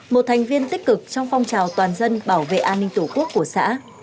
một thành viên tích cực trong phong trào toàn dân bảo vệ an ninh tổ quốc của xã